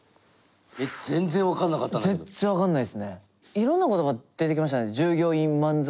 いろんな言葉出てきましたね。